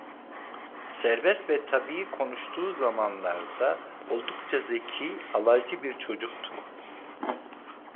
Serbest ve tabii konuştuğu zamanlarda oldukça zeki, alaycı bir çocuktu.